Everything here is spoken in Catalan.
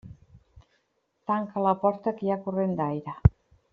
Tanca la porta que hi ha corrent d'aire.